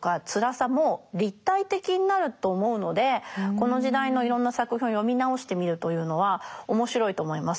この時代のいろんな作品を読み直してみるというのは面白いと思います。